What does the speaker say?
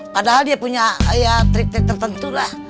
padahal dia punya ya trip trip tertentu lah